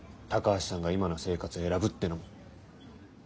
高橋さんが今の生活を選ぶってのも。